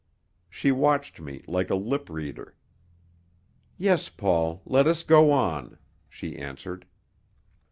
She watched me like a lip reader. "Yes, Paul; let us go on," she answered.